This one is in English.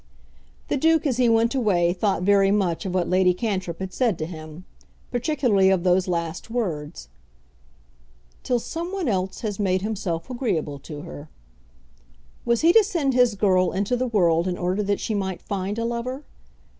The Duke as he went away thought very much of what Lady Cantrip had said to him; particularly of those last words. "Till some one else has made himself agreeable to her." Was he to send his girl into the world in order that she might find a lover?